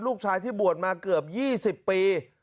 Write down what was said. ลูกชายที่บวชมาเกือบ๒๐ปี